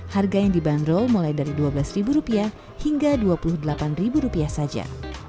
harga yang dibanderol mulai dari dua belas rupiah hingga dua puluh delapan rupiah saja